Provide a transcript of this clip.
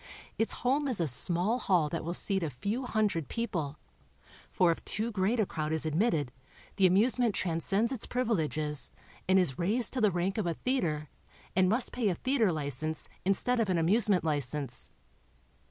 Its home is a small hall that will seat a few hundred people, for if too great a crowd is admitted the amusement transceends its privileges and is raised to the rank of a theater and must pay a theater license instead of an amusement license.